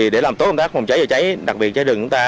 để làm tốt công tác phòng cháy và cháy đặc biệt cháy rừng chúng ta